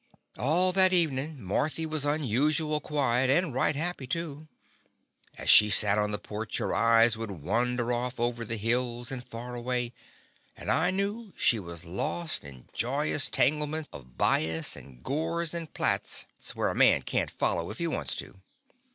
All that evening Marthy was un usual quiet and right happy, too. As she sat on the porch her eyes would wander off over the hills and far away, and I knew she was lost in joy ous tanglements of bias and gores and plaits, where a man can't foUer if he wants to.